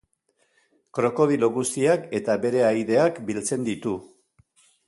Krokodilo guztiak eta bere ahaideak biltzen ditu.